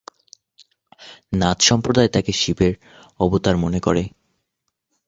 নাথ সম্প্রদায় তাঁকে শিবের অবতার মনে করে।